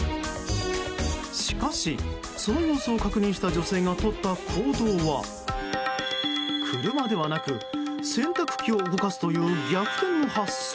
しかし、その様子を確認した女性がとった行動は車ではなく洗濯機を動かすという逆転の発想。